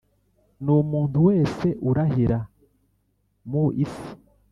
n umuntu wese urahira mu isi